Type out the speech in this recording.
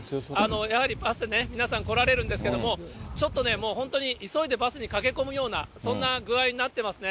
やはり、バスで皆さん来られるんですけれども、ちょっとね、もう本当に急いでバスに駆け込むような、そんな具合になってますね。